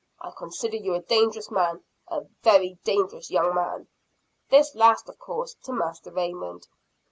I consider you a dangerous man, a very dangerous young man!" This last of course to Master Raymond.